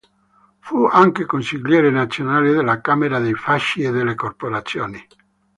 Fu anche consigliere nazionale nella camera dei fasci e delle corporazioni.